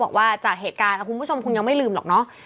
กับเหตุการณ์คุณผู้ชมคงยังไม่ลืมหรอกเนาะ